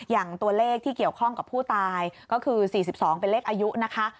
อย่างตัวเลขที่เกี่ยวข้องกับผู้ตายก็คือ๔๒เป็นเลขอายุนะคะ